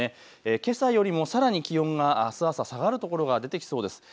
けさよりもさらに気温があす朝、下がる所が出てきそうです。